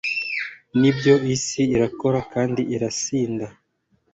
Nibyo Isi irakora kandi irasinda